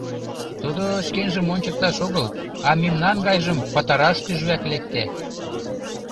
Тудо шкенжым ончыкташ огыл, а мемнан гайжым пытараш тӱжвак лекте...